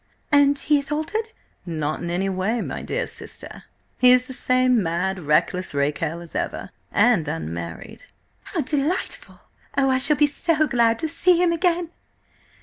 "And he is altered?" "Not in any way, dear sister. He is the same mad, reckless rake hell as ever. And unmarried." "How delightful! Oh, I shall be so glad to see him again!"